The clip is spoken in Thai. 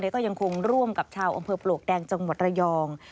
ก็ยังคงร่วมกับชาวอำเภอปลวกแดงจังหวัดระยอง